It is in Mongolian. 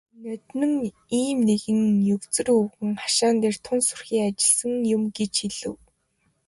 "Ноднин ийм нэг егзөр өвгөн хашаан дээр тун сүрхий ажилласан юм" гэж хэлэв.